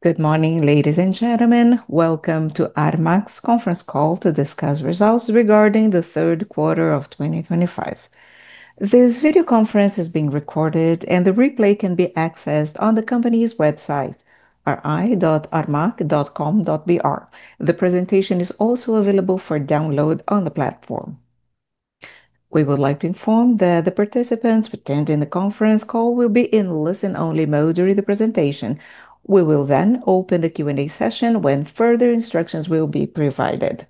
Good morning, ladies and gentlemen. Welcome to RMC's conference call to discuss results regarding the third quarter of 2025. This video conference is being recorded and the replay can be accessed on the company's website, ri.rmc.com.br. The presentation is also available for download on the platform. We would like to inform that the participants attending the conference call will be in listen-only mode during the presentation. We will then open the Q and A session when further instructions will be provided.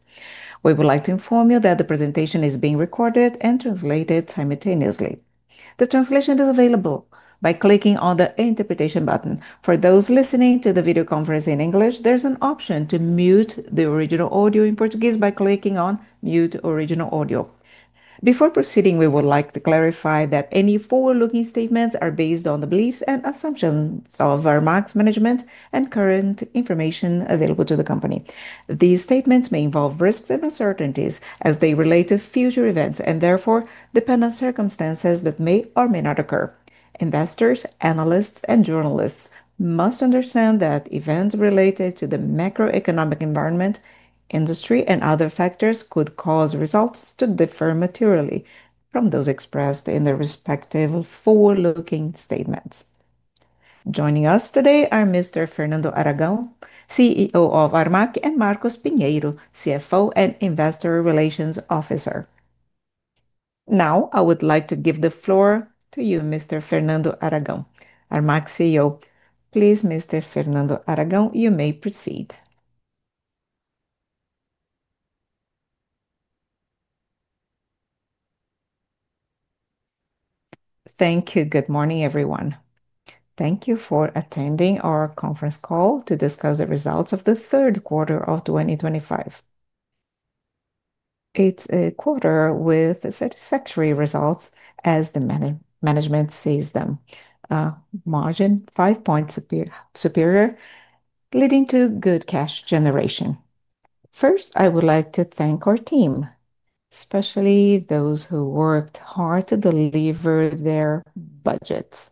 We would like to inform you that the presentation is being recorded and translated simultaneously. The translation is available by clicking on the interpretation button. For those listening to the video conference in English, there is an option to mute the original audio in Portuguese by clicking on Mute original audio. Before proceeding, we would like to clarify that any forward looking statements are based on the beliefs and assumptions of Armac's management and current information available to the company. These statements may involve risks and uncertainties as they relate to future events and therefore depend on circumstances that may or may not occur. Investors, analysts and journalists must understand that events related to the macroeconomic environment, industry and other factors could cause results to differ materially from those expressed in their respective forward looking statements. Joining us today are Mr. Fernando Aragão, CEO of Armac, and Marcos Pinheiro, CFO and Investor Relations Officer. Now I would like to give the floor to you, Mr. Fernando Aragão, Armac CEO. Please, Mr. Fernando Aragão, you may proceed. Thank you. Good morning everyone. Thank you for attending our conference call to discuss the results of the third quarter of 2025. It's a quarter with satisfactory results as the management sees them. Margin five points superior, leading to good cash generation. First, I would like to thank our team, especially those who worked hard to deliver their budgets.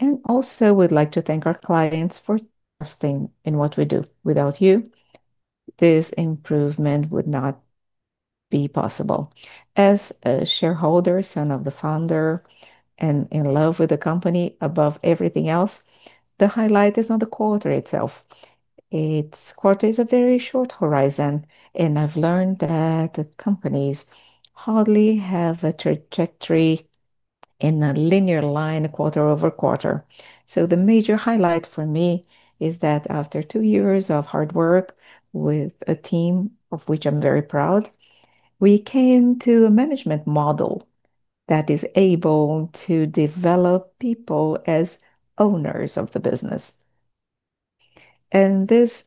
I would also like to thank our clients for trusting in what we do. Without you, this improvement would not be possible. As a shareholder, son of the founder and in love with the company above everything else, the highlight is on the quarter itself. Its quarter is a very short horizon and I've learned that companies hardly have a trajectory in a linear line, quarter over quarter. The major highlight for me is that after two years of hard work with a team of which I'm very proud, we came to a management model that is able to develop people as owners of the business. This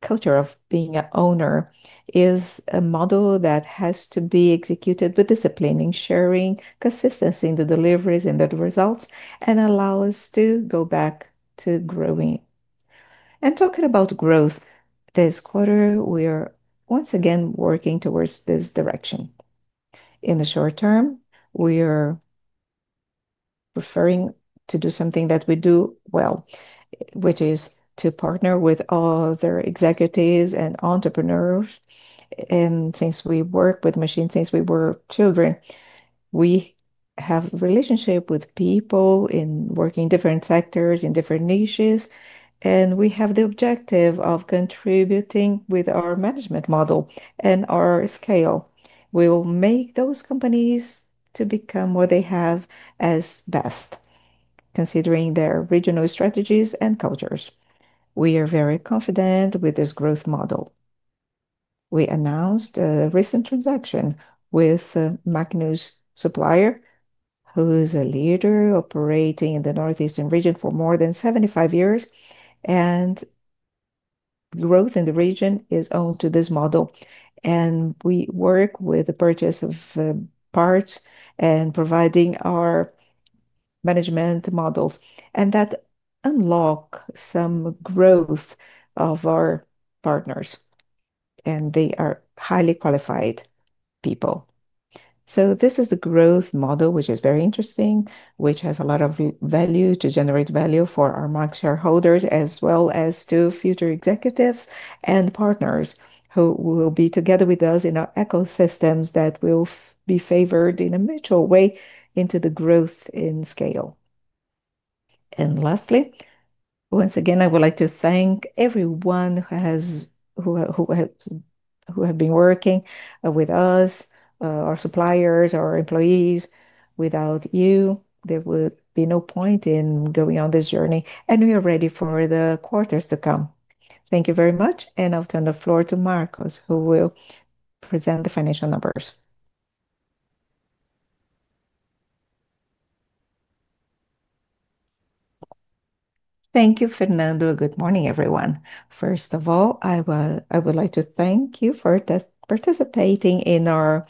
culture of being an owner is a model that has to be executed with discipline, ensuring consistency in the deliveries and the results, and allow us to go back to growing and talking about growth. This quarter we are once again working towards this direction. In the short term, we are preferring to do something that we do well, which is to partner with other executives and entrepreneurs. Since we work with machines since we were children, we have relationship with people in different sectors in different niches. We have the objective of contributing with our management model and our scale will make those companies become what they have as best considering their regional strategies and cultures. We are very confident with this growth model. We announced a recent transaction with MacNUS supplier who is a leader operating in the northeastern region for more than 75 years. Growth in the region is owned to this model. We work with the purchase of parts and providing our management models and that unlocks some growth of our partners and they are highly qualified people. This is the growth model which is very interesting, which has a lot of value to generate value for our Armac shareholders as well as to future executives and partners who will be together with us in our ecosystems that will be favored in a mutual way into the growth in scale. Lastly, once again I would like to thank everyone who has been working with us. Our suppliers, our employees. Without you there would be no point in going on this journey. We are ready for the quarters to come. Thank you very much. I will turn the floor to Marcos who will present the financial numbers. Thank you, Fernando. Good morning everyone. First of all, I would like to thank you for participating in our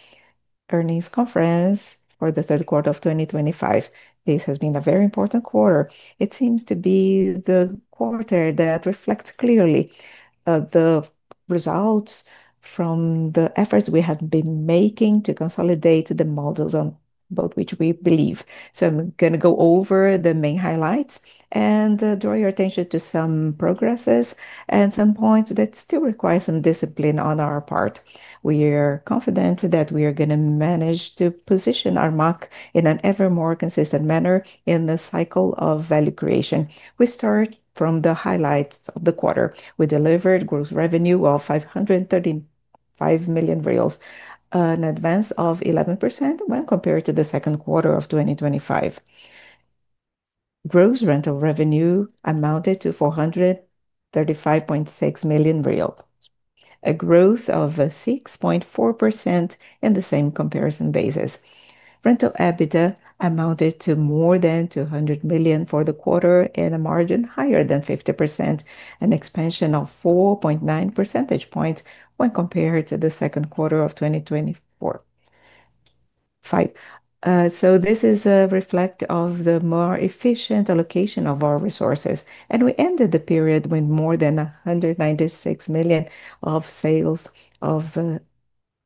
earnings conference for the third quarter of 2025. This has been a very important quarter. It seems to be the quarter that reflects clearly the results from the efforts we have been making to consolidate the models about which we believe. I am going to go over the main highlights and draw your attention to some progresses and some points that still require some discipline on our part. We are confident that we are going to manage to position Armac in an ever more consistent manner in the cycle of value creation. We start from the highlights of the quarter. We delivered gross revenue of 535 million reais. An advance of 11% when compared to the second quarter of 2025. Gross rental revenue amounted to 435.6 million real. A growth of 6.4% in the same comparison basis. Rental EBITDA amounted to more than 200 million for the quarter and a margin higher than 50% and expansion of 4.9 percentage points when compared to the second quarter of 2024-2025. This is a reflect of the more efficient allocation of our resources. We ended the period with more than 196 million of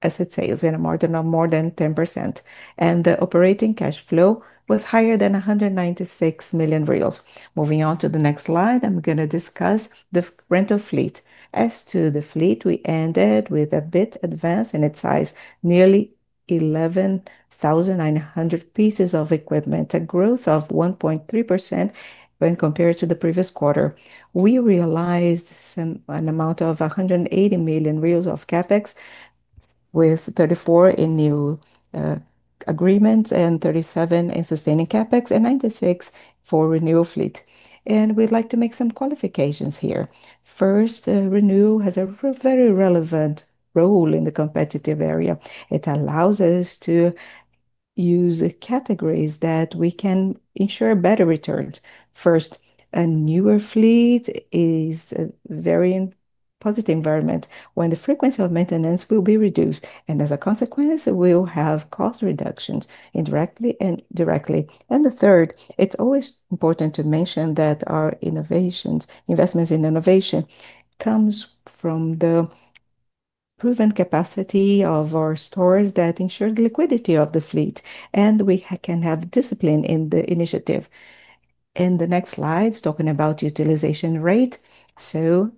asset sales in a margin of more than 10% and the operating cash flow was higher than 196 million reais. Moving on to the next slide, I'm going to discuss the rental fleet. As to the fleet, we ended with a bit advance in its size, nearly 11,900 pieces of equipment, a growth of 1.3% when compared to the previous quarter. We realized an amount of 180 million reais of Capex with 34 million in new agreements and 37 million in sustaining Capex and 96 million for renewal fleet. We'd like to make some qualifications here. First, renewal has a very relevant role in the competitive area. It allows us to use categories that we can ensure better returns. First, a newer fleet is a very positive environment when the frequency of maintenance will be reduced and as a consequence we'll have cost reductions indirectly and directly. Third, it's always important to mention that our investments in innovation come from the proven capacity of our stores that ensure the liquidity of the fleet and we can have discipline in the initiative. In the next slides, talking about utilization rate,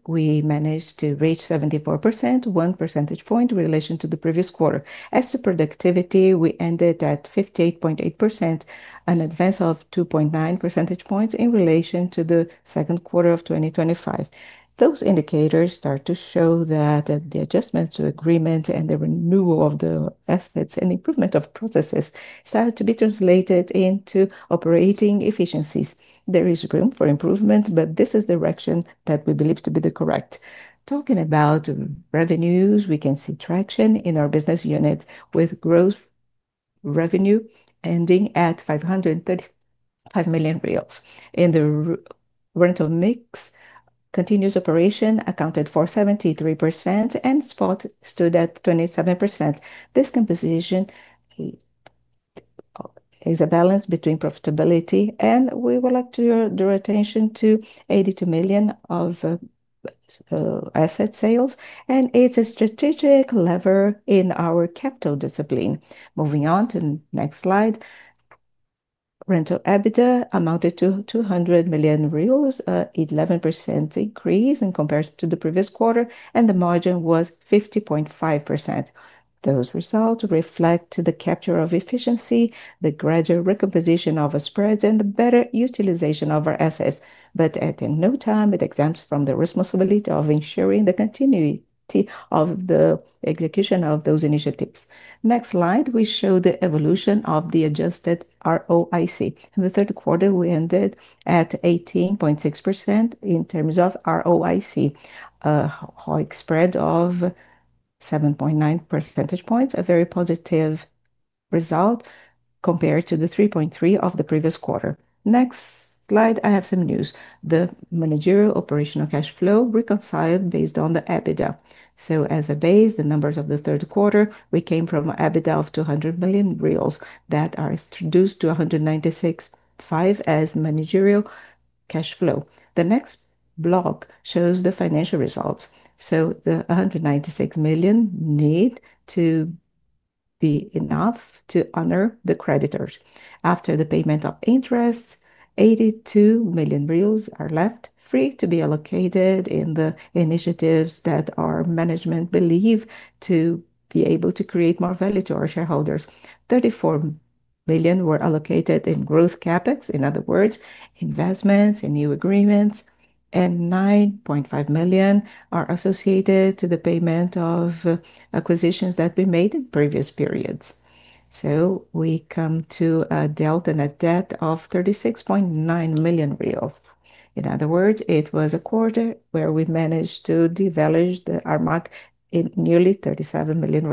we managed to reach 74%, 1 percentage point in relation to the previous quarter. As to productivity, we ended at 58.8%, an advance of 2.9 percentage points in relation to the second quarter of 2025. Those indicators start to show that the adjustments to agreement and renewal of the assets and improvement of processes started to be translated into operating efficiencies. There is room for improvement, but this is the direction that we believe to be correct. Talking about revenues, we can see traction in our business units with gross revenue ending at 535 million reais. In the rental mix, continuous operation accounted for 73% and spot stood at 27%. This composition is a balance between profitability and. We would like to draw attention to 82 million of asset sales. It is a strategic lever in our capital discipline. Moving on to next slide. Rental EBITDA amounted to 200 million reais, 11% increase in compared to the previous quarter and the margin was 50.5%. Those results reflect the capture of efficiency, the gradual recomposition of our spreads and the better utilization of our assets. At no time does it exempt from the responsibility of ensuring the continuity of the execution of those initiatives. Next slide, we show the evolution of the adjusted ROIC. In the third quarter we ended at 18.6% in terms of ROIC spread of 7.9 percentage points. A very positive result compared to the 3.3 of the previous quarter. Next slide, I have some news. The managerial operational cash flow reconciled based on the EBITDA. As a base, the numbers of the third quarter we came from EBITDA of 200 million reais that are reduced to 196.5 as managerial cash flow. The next block shows the financial results. The 196 million need to be enough to honor the creditors. After the payment of interest, 82 million reais are left free to be allocated in the initiatives that our management believe to be able to create more value to our shareholders. 34 million were allocated in growth Capex. In other words, investments in new agreements and 9.5 million are associated to the payment of acquisitions that we made in previous periods. We come to a delta net debt of 36.9 million reais. In other words, it was a quarter where we managed to deleverage the Armac in nearly 37 million.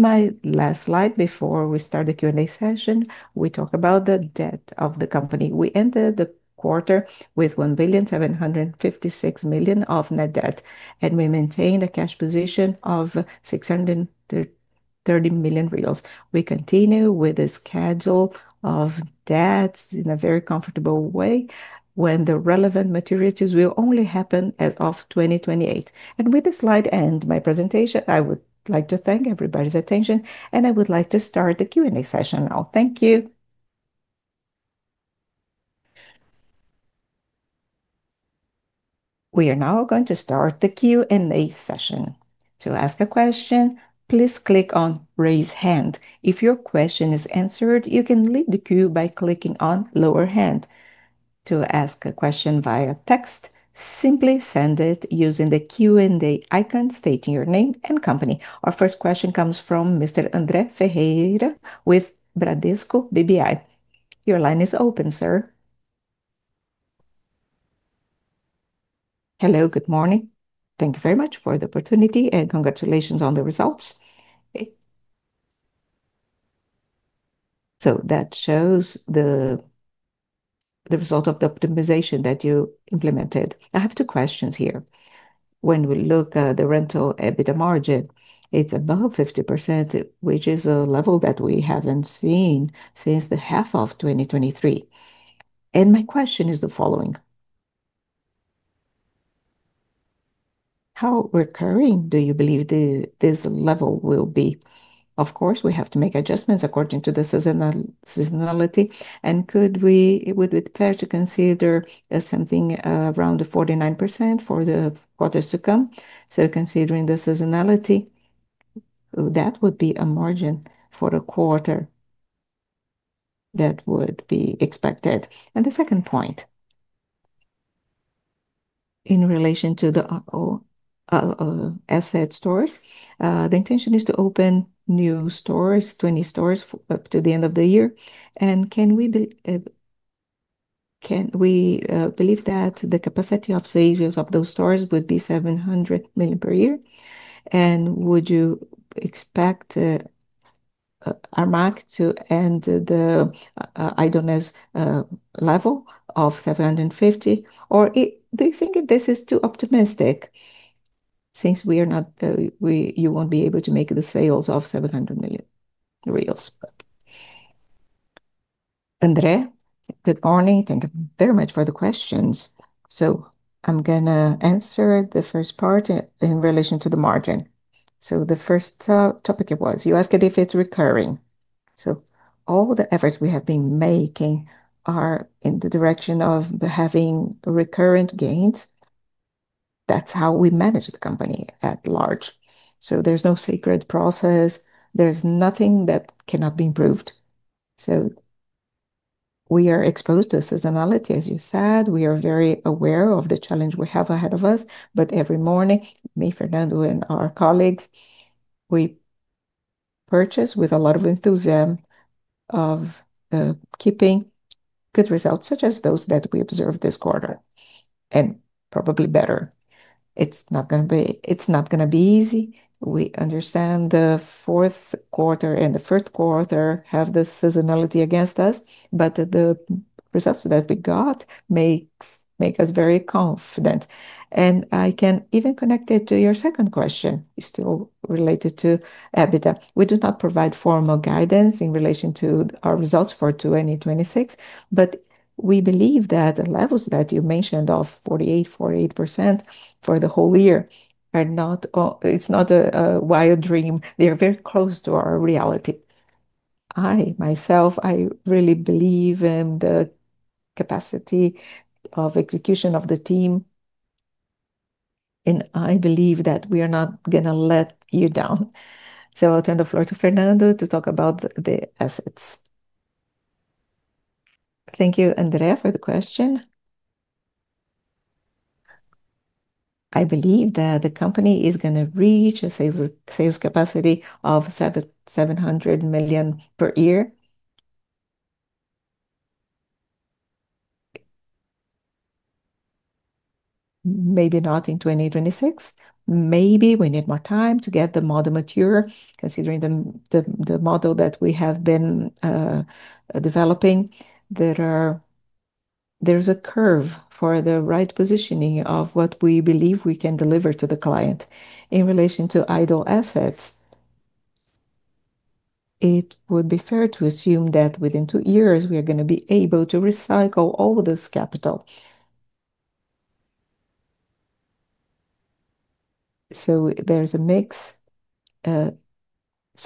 My last slide, before we start the Q and A session, we talk about the debt of the company. We enter the quarter with 1,756,000,000 of net debt and we maintain a cash position of 630,000,000 reais. We continue with a schedule of debts in a very comfortable way when the relevant maturities will only happen as of 2028. With the slide, end my presentation, I would like to thank everybody's attention and I would like to start the Q and A session now. Thank you. We are now going to start the Q and A session. To ask a question, please click on raise hand. If your question is answered, you can leave the queue by clicking on lower hand. To ask a question via text, simply send it using the Q and A icon stating your name and company. Our first question comes from Mr. Andre Feheira with Bradesco BBI. Your line is open, sir. Hello, good morning. Thank you very much for the opportunity and congratulations on the results. That shows the result of the optimization that you implemented. I have two questions here. When we look at the rental EBITDA margin, it's above 50%, which is a level that we haven't seen since the half of 2023. My question is the following. How recurring do you believe this level will be? Of course, we have to make adjustments according to the seasonality, and it would be fair to consider something around 49% for the quarters to come. Considering the seasonality, that would be a margin for a quarter that would be expected. The second point, in relation to the asset stores, the intention is to open new stores, 20 stores up to the end of the year. Can we believe that the capacity of sales of those stores would be 700 million per year? Would you expect Armac to end the idonez level of 750? Or do you think this is too optimistic? Since we are not, you will not be able to make the sales of 700 million. But Andre, good morning. Thank you very much for the questions. I am going to answer the first part in relation to the margin. The first topic was, you asked if it is recurring. All the efforts we have been making are in the direction of having recurrent gains. That is how we manage the company at large. There is no sacred process, there is nothing that cannot be improved. We are exposed to seasonality. As you said, we are very aware of the challenge we have ahead of us. Every morning, me, Fernando, and our colleagues, we pursue with a lot of enthusiasm keeping good results such as those that we observed this quarter and probably better. It's not going to be easy. We understand the fourth quarter and the first quarter have the seasonality against us, but the results that we got make us very confident. I can even connect it to your second question, still related to EBITDA. We do not provide formal guidance in relation to our results for 2026, but we believe that the levels that you mentioned of 48%, 48% for the whole year, it's not a wild dream. They are very close to our reality. I myself, I really believe in the capacity of execution of the team. I believe that we are not going to let you down. I will turn the floor to Fernando to talk about the assets. Thank you Andrea for the question. I believe that the company is going to reach a sales capacity of 7,700 million per year. Maybe not in 2026. Maybe we need more time to get the model mature. Considering the model that we have been developing, there's a curve for the right positioning of what we believe we can deliver to the client in relation to idle assets. It would be fair to assume that within two years we are going to be able to recycle all this capital. There is a mix.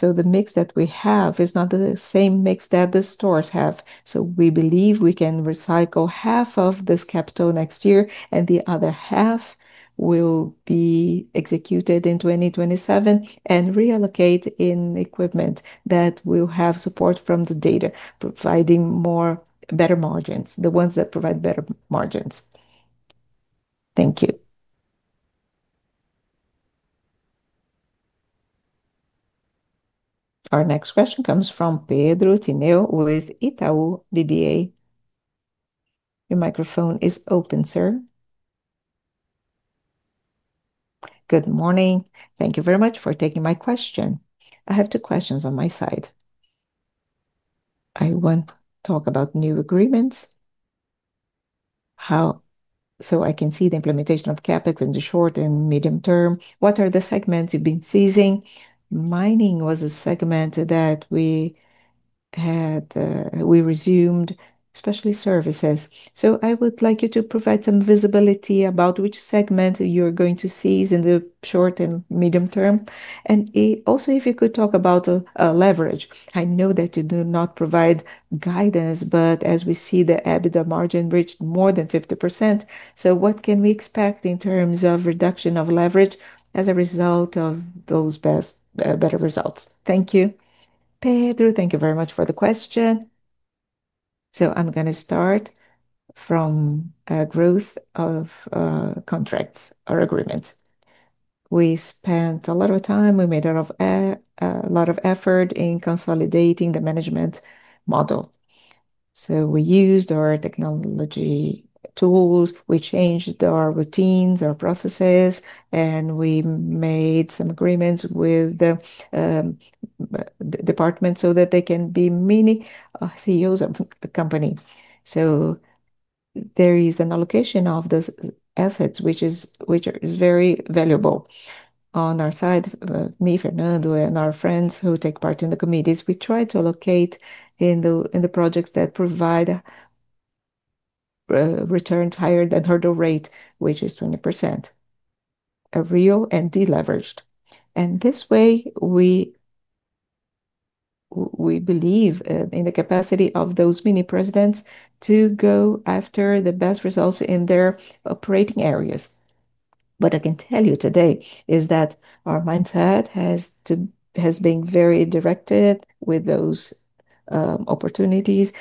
The mix that we have is not the same mix that the stores have. We believe we can recycle half of this capital next year and the other half will be executed in 2027 and reallocate in equipment that will have support from the data providing better margins, the ones that provide better margins. Thank you. Our next question comes from Pedro Tineo with Itaú DDA. Your microphone is open, sir. Good morning. Thank you very much for taking my question. I have two questions on my side. I want to talk about new agreements so I can see the implementation of Capex in the short and medium term. What are the segments you've been seizing? Mining was a segment that we resumed, especially services. I would like you to provide some visibility about which segments you're going to seize in the short and medium term. Also, if you could talk about leverage, I know that you do not provide guidance but as we see the EBITDA margin reached more than 50%. What can we expect in terms of reduction of leverage as a result of those better results? Thank you, Pedro. Thank you very much for the question. I'm going to start from growth of contracts or agreements. We spent a lot of time, we made a lot of effort in consolidating the management model. We used our technology tools, we changed our routines, our processes, and we made some agreements with the department so that they can be many CEOs of the company. There is an allocation of those assets which is very valuable. On our side, me, Fernando, and our friends who take part in the committees, we try to allocate in the projects that provide returns higher than hurdle rate, which is 20% real and deleveraged. In this way, we believe in the capacity of those mini presidents to go after the best results in their operating areas. What I can tell you today is that our mindset has been very directed with those opportunities.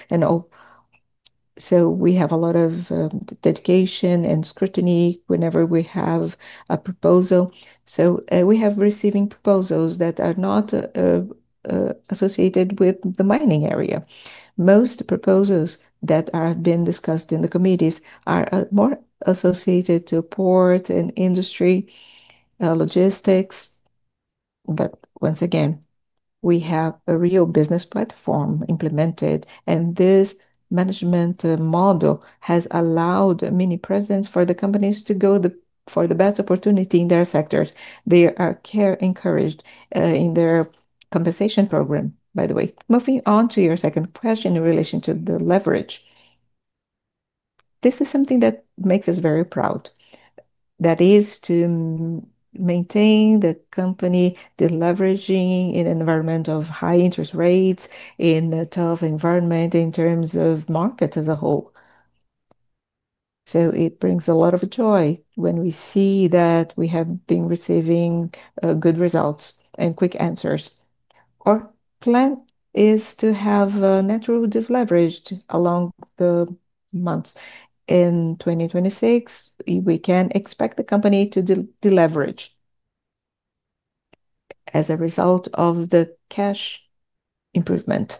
We have a lot of dedication and scrutiny whenever we have a proposal. We have received proposals that are not associated with the mining area. Most proposals that are being discussed in the committees are more associated to port and industry logistics. Once again we have a real business platform implemented and this management model has allowed many presence for the companies to go for the best opportunity in their sectors. They are encouraged in their compensation program by the way. Moving on to your second question in relation to the leverage. This is something that makes us very proud, that is to maintain the company deleveraging in an environment of high interest rates, in a tough environment in terms of market as a whole. It brings a lot of joy when we see that we have been receiving good results and quick answers. Our plan is to have network deleveraged along the months in 2026. We can expect the company to deleverage as a result of the cash improvement.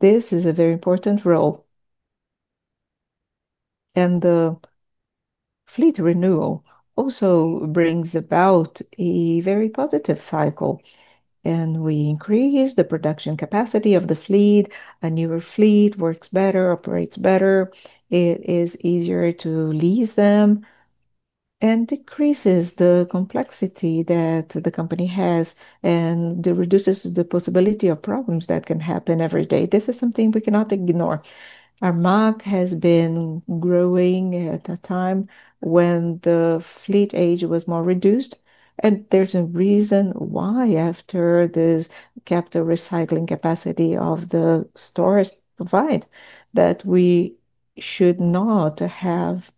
This is a very important role. The fleet renewal also brings about a very positive cycle and we increase the production capacity of the fleet. A newer fleet works better, operates better, it is easier to lease them and decreases the complexity that the company has and reduces the possibility of problems that can happen every day. This is something we cannot ignore. Armac has been growing at a time when the fleet age was more reduced. There is a reason why after this capital recycling capacity of the stores provides that we should not have,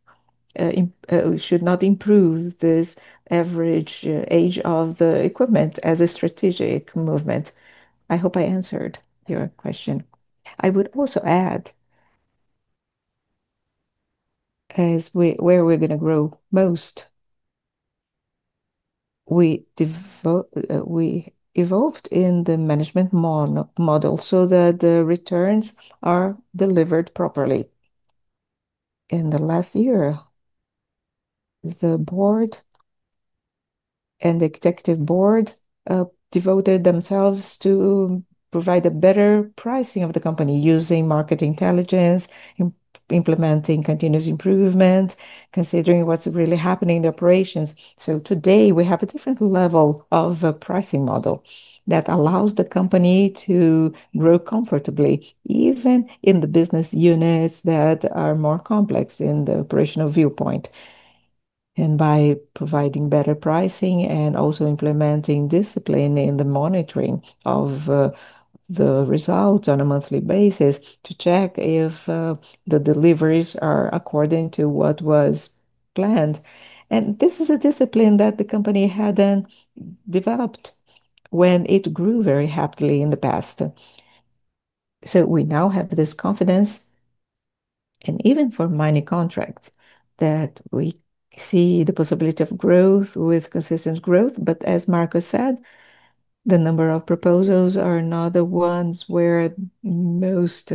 should not improve this average age of the equipment as a strategic movement. I hope I answered your question. I would also add as we are going to grow most. We evolved in the management model so that the returns are delivered properly. In the last year, the board and the executive board devoted themselves to provide a better pricing of the company using market intelligence, implementing continuous improvement considering what's really happening in the operations. Today we have a different level of pricing model that allows the company to grow comfortably even in the business units that are more complex in the operational viewpoint. By providing better pricing and also implementing discipline in the monitoring of the results on a monthly basis to check if the deliveries are according to what was planned. This is a discipline that the company hadn't developed when it grew very happily in the past. We now have this confidence and even for mining contracts, that we see the possibility of growth with consistent growth. As Marcos said, the number of proposals are not the ones where most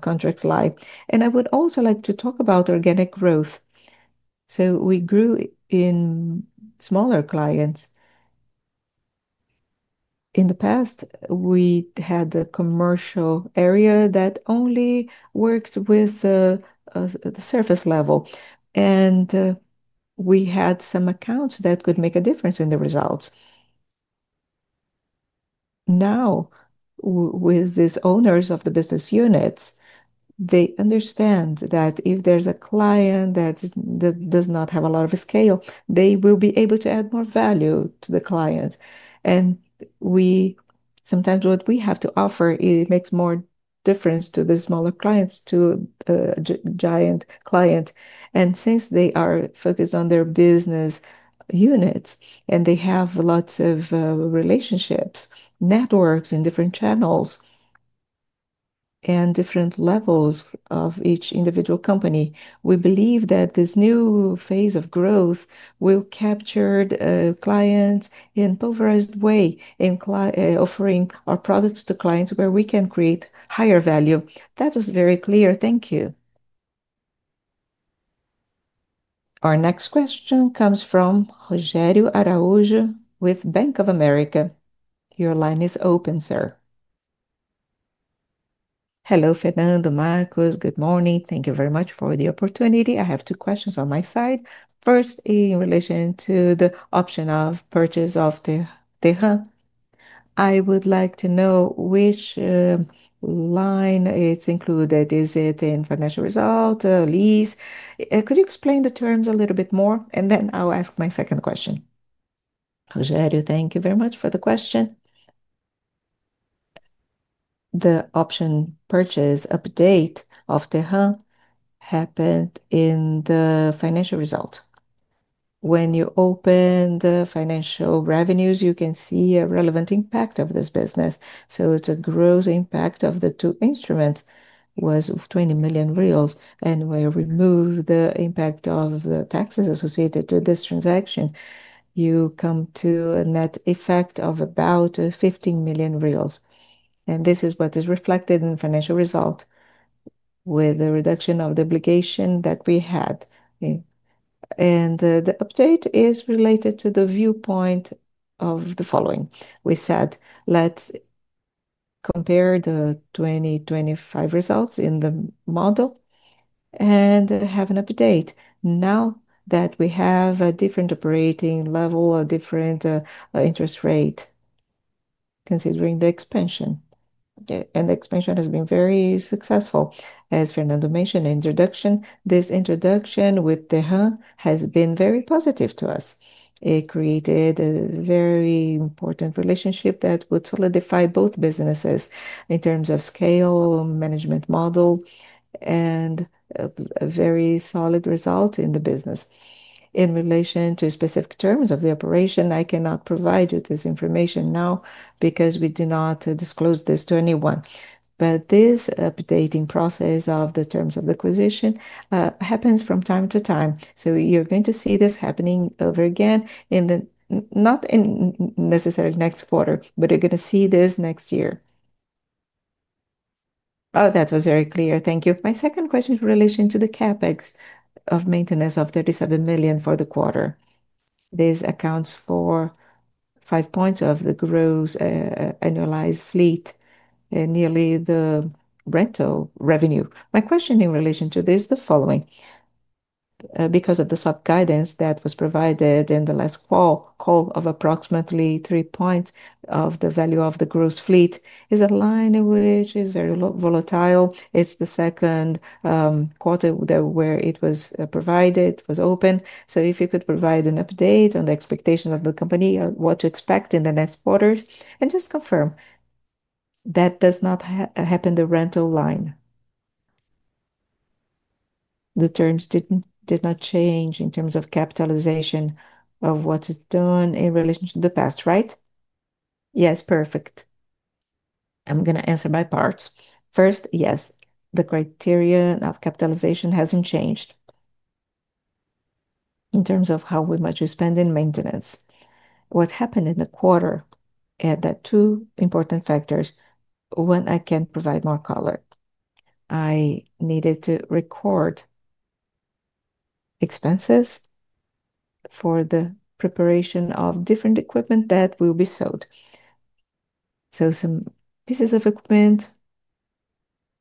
contracts lie. I would also like to talk about organic growth. We grew in smaller clients in the past. We had a commercial area that only worked with the surface level. We had some accounts that could make a difference in the results. Now with these owners of the business units, they understand that if there is a client that does not have a lot of scale, they will be able to add more value to the client. Sometimes what we have to offer makes more difference to the smaller clients than to a giant client. Since they are focused on their business units and they have lots of relationships, networks, and different channels and different levels of each individual company, we believe that this new phase of growth will capture clients in a pulverized way in offering our products to clients where we can create higher value. That was very clear. Thank you. Our next question comes from Rogerio Araujo with Bank of America. Your line is open, sir. Hello, Fernando, Marcos, good morning. Thank you very much for the opportunity. I have two questions on my side. First, in relation to the option of purchase of Tehra, I would like to know which line it's included. Is it in financial result lease? Could you explain the terms a little bit more and then I'll ask my second question. Thank you very much for the question. The option purchase update of Tehra happened in the financial result. When you open the financial revenues, you can see a relevant impact of this business. So it's a gross impact of the two instruments was 20 million reais. And we remove the impact of the taxes associated to this transaction. You come to a net effect of about 15 million reais. This is what is reflected in financial result with the reduction of the obligation that we had. The update is related to the viewpoint of the following. We said let's compare the 2025 results in the model and have an update now that we have a different operating level, a different interest rate considering the expansion. The expansion has been very successful, as Fernando Aragão mentioned. Introduction. This introduction with Tehra has been very positive to us. It created a very important relationship that would solidify both businesses in a scale management model and a very solid result in the business in relation to specific terms of the operation. I cannot provide you this information now because we do not disclose this to anyone. This updating process of the terms of acquisition happens from time to time. You're going to see this happening over again, not necessarily next quarter, but you're going to see this next year. Oh, that was very clear. Thank you. My second question in relation to the CapEx of maintenance of 37 million for the quarter, this accounts for 5% of the gross annualized fleet and nearly the rental revenue. My question in relation to this is the following. Because of the sub guidance that was provided in the last call of approximately 3% of the value of the gross fleet, it is a line which is very low volatile. It's the second quarter where it was provided, was open. If you could provide an update on the expectation of the company, what to expect in the next quarters, and just confirm that does not happen. The rental line, the terms did not change in terms of capitalization of what is done in relation to the past, right? Yes, perfect. I'm going to answer by parts. First, yes. The criteria of capitalization hasn't changed in terms of how much you spend in maintenance, what happened in the quarter. Add that two important factors. When I can provide more color, I needed to record expenses for the preparation of different equipment that will be sold. Some pieces of equipment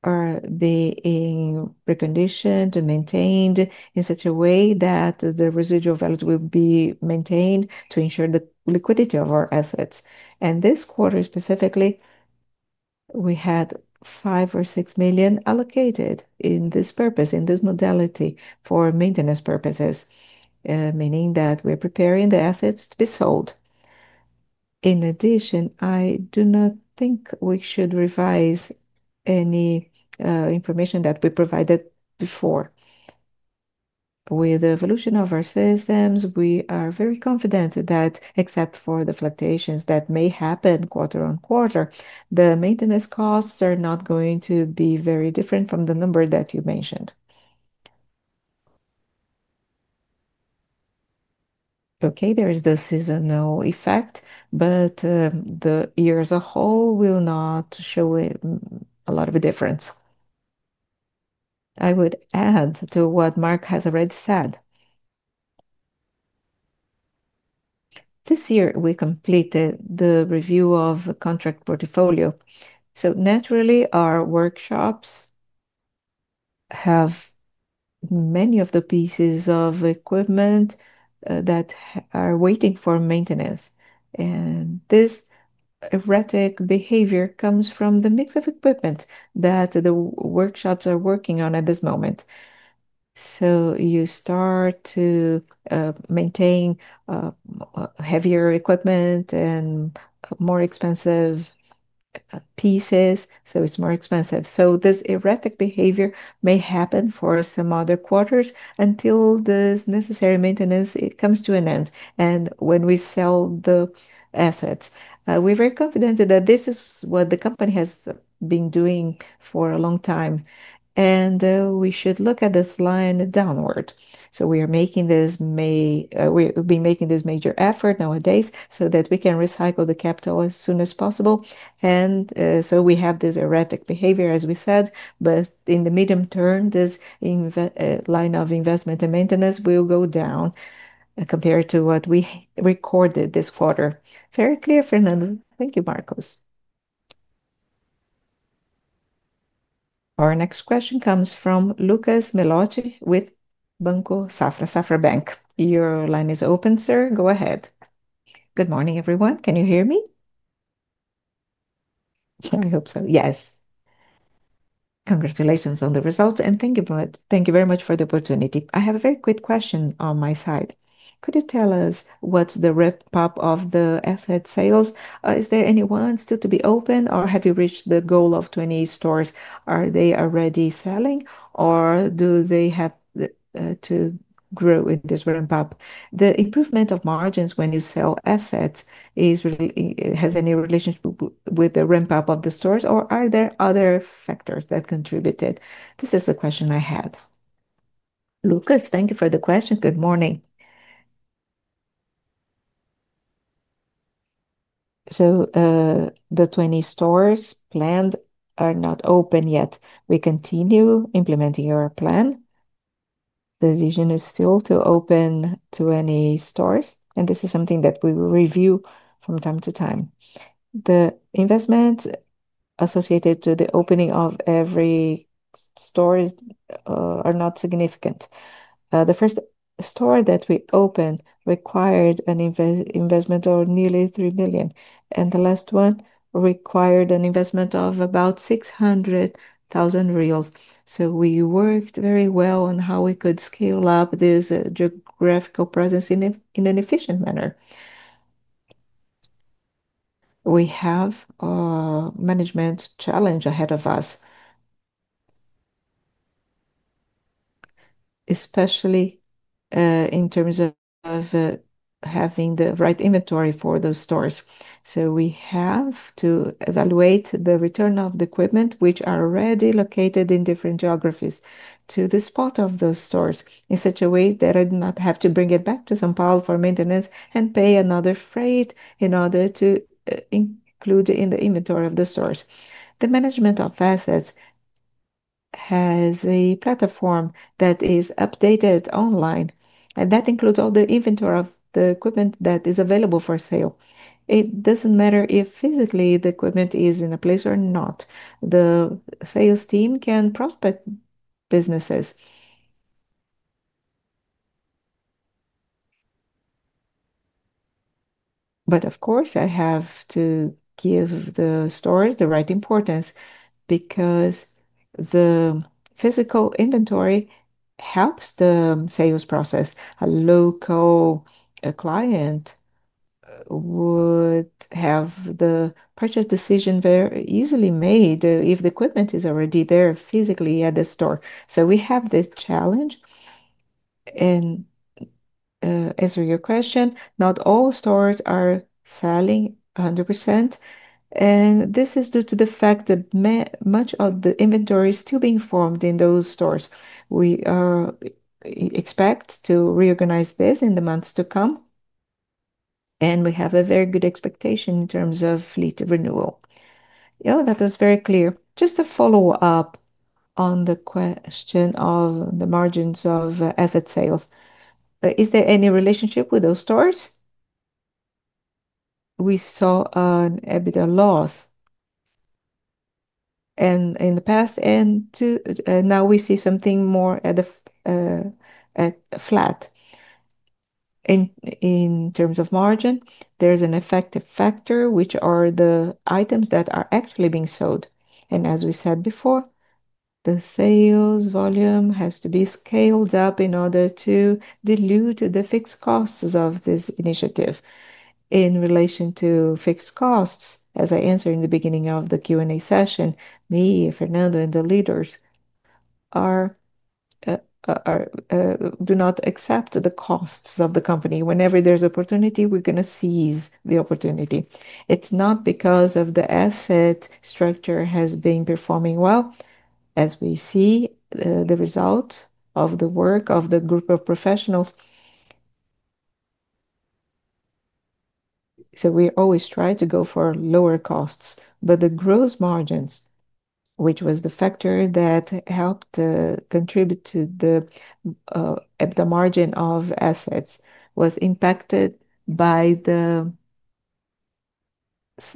are being reconditioned and maintained in such a way that the residual values will be maintained to ensure the liquidity of our assets. This quarter specifically, we had 5 million or 6 million allocated for this purpose. In this modality for maintenance purposes, meaning that we're preparing the assets to be sold. In addition, I do not think we should revise any information that we provided before. With the evolution of our systems, we are very confident that except for the fluctuations that may happen quarter on quarter, the maintenance costs are not going to be very different from the number that you mentioned. Okay, there is the seasonal effect, but the year as a whole will not show a lot of a difference. I would add to what Marcos has already said. This year we completed the review of contract portfolio. Naturally, our workshops have many of the pieces of equipment that are waiting for maintenance. This erratic behavior comes from the mix of equipment that the workshops are working on at this moment. You start to maintain heavier equipment and more expensive pieces, so it's more expensive. This erratic behavior may happen for some other quarters until this necessary maintenance comes to an end. When we sell the assets, we're very confident that this is what the company has been doing for a long time. We should look at this line downward. We are making this. May we be making this major effort nowadays so that we can recycle the capital as soon as possible. We have this theoretic behavior, as we said. In the medium term, this line of investment and maintenance will go down compared to what we recorded this quarter. Very clear, Fernando. Thank you, Marcos. Our next question comes from Lucas Meloche with Banco Safra. Safra Bank. Your line is open, sir. Go ahead. Good morning everyone. Can you hear me? I hope so, yes. Congratulations on the results and thank you for. Thank you very much for the opportunity. I have a very quick question on my side. Could you tell us what's the ramp up of the asset sales? Is there anyone still to be open or have you reached the goal of 20 stores? Are they already selling or do they have to grow in this ramp up? The improvement of margins when you sell assets has any relationship with the ramp up of the stores or are there other factors that contributed? This is a question I had. Lucas, thank you for the question. Good morning. The 20 stores planned are not open yet. We continue implementing our plan. The vision is still to open 20 stores. This is something that we will review from time to time. The investments associated to the opening of every store are not significant. The first store that we opened required an investment of nearly 3 million. The last one required an investment of about 600,000 reais. We worked very well on how we could scale up this journey. Geographical presence in an efficient manner. We have management challenge ahead of us, especially in terms of having the right inventory for those stores. We have to evaluate the return of the equipment, which are already located in different geographies to the spot of those stores in such a way that I do not have to bring it back to São Paulo for maintenance and pay another freight in order to include in the inventory of the stores. The Management of Assets has a platform that is updated online and that includes all the inventory of the equipment that is available for sale. It does not matter if physically the equipment is in a place or not. The sales team can prospect businesses. Of course, I have to give the stores the right importance because the physical inventory helps the sales process. A local client would have the purchase decision very easily made if the equipment is already there physically at the store. We have this challenge. Answering your question, not all stores are selling 100%. This is due to the fact that much of the inventory is still being formed in those stores. We expect to reorganize this in the months to come and we have a very good expectation in terms of fleet renewal. Yeah, that was very clear. Just to follow up on the question of the margins of asset sales. Is there any relationship with those stores? We saw an EBITDA loss in the past, and now we see something more flat in terms of margin. There is an effective factor, which are the items that are actually being sold. As we said before, the sales volume has to be scaled up in order to dilute the fixed costs of this initiative. In relation to fixed costs, as I answered in the beginning of the Q and A session, me, Fernando, and the leaders do not accept the costs of the company. Whenever there is opportunity, we are going to seize the opportunity. It is not because the asset structure has been performing well as we see the result of the work of the group of professionals. We always try to go for lower costs. The gross margins, which was the factor that helped contribute to the margin of assets, was impacted by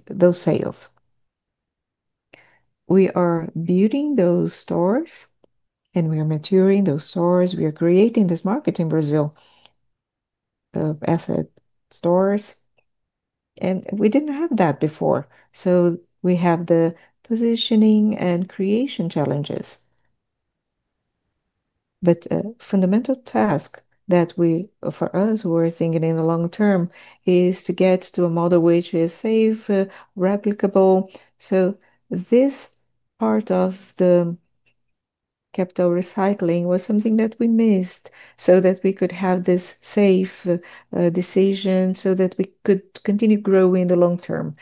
those sales. We are building those stores and we are maturing those stores. We are creating this market in Brazil of asset stores and we did not have that before. We have the positioning and creation challenges, but fundamental tasks that we, for us, were thinking in the long term is to get to a model which is safe, replicable. This part of the capital recycling was something that we missed so that we could have this safe decision, so that we could continue growing the long term.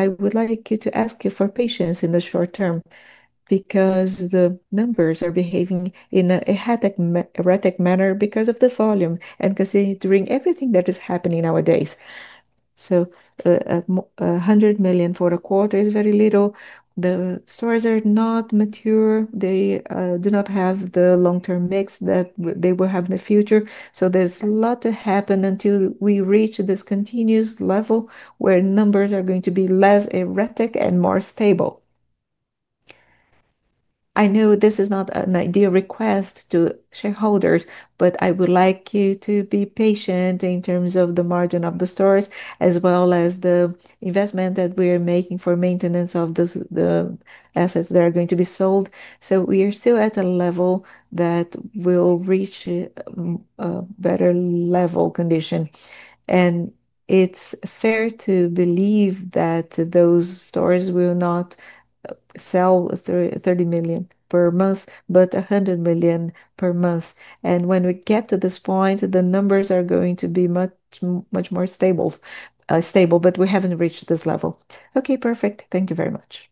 I would like to ask you for patience in the short term, because the numbers are behaving in an erratic manner because of the volume and considering everything that is happening nowadays. One hundred million for a quarter is very little. The stores are not mature. They do not have the long-term mix that they will have in the future. There is a lot to happen until we reach this continuous level where numbers are going to be less erratic and more stable. I know this is not an ideal request to shareholders, but I would like you to be patient in terms of the margin of the stores as well as the investment that we are making for maintenance of the assets that are going to be sold. We are still at a level that will reach a better level condition. It is fair to believe that those stores will not sell 30 million per month, but 100 million per month. When we get to this point, the numbers are going to be much, much more stable. We have not reached this level. Okay, perfect. Thank you very much.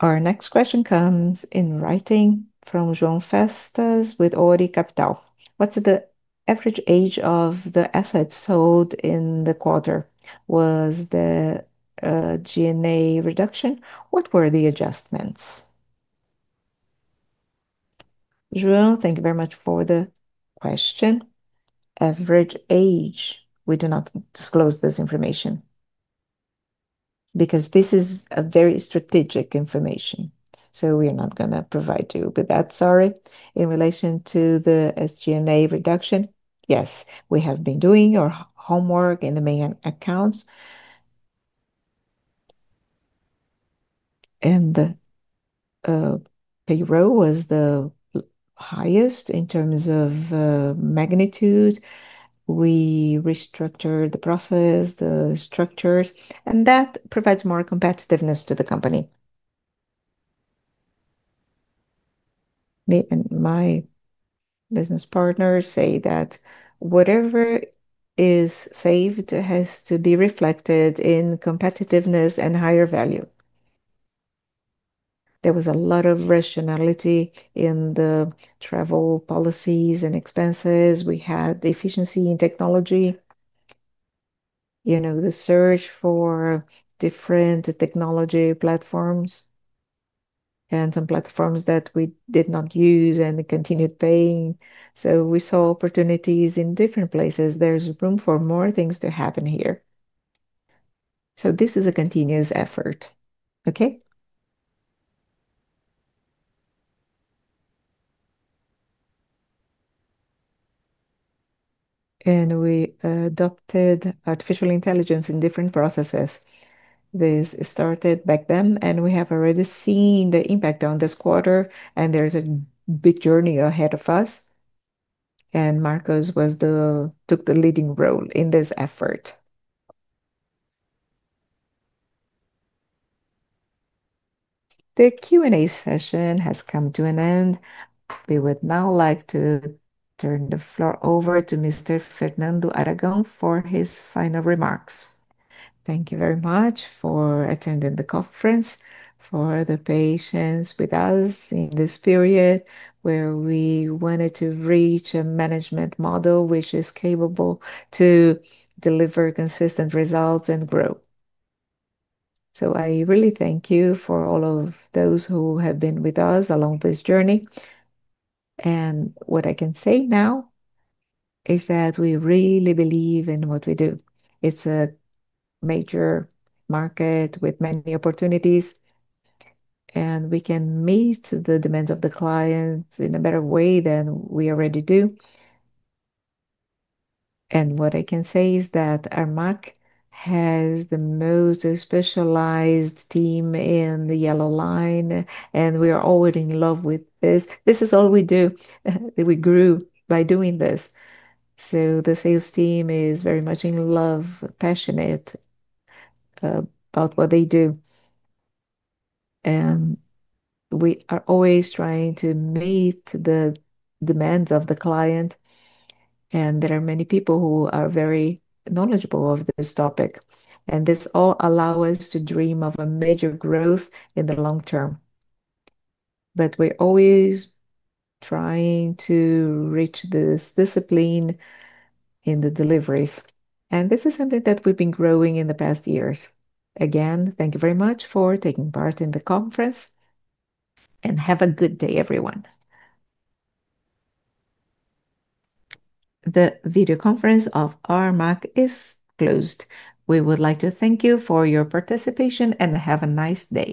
Our next question comes in writing from Jean Festas with Ori Capital. What's the average age of the assets sold in the quarter? Was the SG&A reduction? What were the adjustments? Joo, thank you very much for the question. Average age. We do not disclose this information because this is very strategic information. So we are not going to provide you with that. Sorry. In relation to the SG&A reduction. Yes. We have been doing our homework in the main accounts and payroll was the highest in terms of magnitude. We restructured the process, the structures, and that provides more competitiveness to the company. Me and my business partners say that whatever is saved has to be reflected in competitiveness and higher value. There was a lot of rationality in the travel policies and expenses we had. The efficiency in technology, you know, the search for different technology platforms and some platforms that we did not use and continued paying. We saw opportunities in different places. There is room for more things to happen here. This is a continuous effort. Okay. We adopted artificial intelligence in different processes. This started back then and we have already seen the impact on this quarter. There is a big journey ahead of us. Marcos took the leading role in this effort. The Q and A session has come to an end. We would now like to turn the floor over to Mr. Fernando Aragão for his final remarks. Thank you very much for attending the conference, for the patience with us in this period where we wanted to reach a management model which is capable to deliver consistent results and grow. I really thank you for all of those who have been with us along this journey. What I can say now is that we really believe in what we do. It is a major market with many opportunities and we can meet the demands of the clients in a better way than we already do. What I can say is that Armac has the most specialized team in the yellow line and we are always in love with this. This is all we do. We grew by doing this. The sales team is very much in love, passionate about what they do and we are always trying to meet the demands of the client and there are many people who are very knowledgeable of this topic and this all allows us to dream of a major growth in the long term. We are always trying to reach this discipline in the deliveries and this is something that we have been growing in the past years. Again, thank you very much for taking part in the conference and have a good day everyone. The video conference of Armac is closed. We would like to thank you for your participation and have a nice day.